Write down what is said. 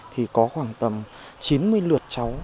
thì có khoảng tầm chín mươi lượt cháu